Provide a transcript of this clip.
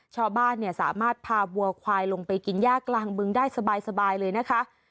ชาวบ้านสามารถพาวัวควายลงไปกินย่ากลางบึงได้สบายเลยนะคะ